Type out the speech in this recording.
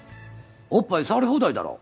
おっぱい触り放題だろ？